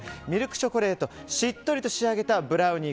チョコレートしっとりと仕上げたブラウニー